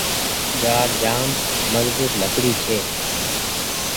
جآڙ جآم مزبوت لڪڙي ڇي۔